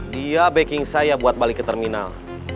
dia backing saya buat balik ke terminal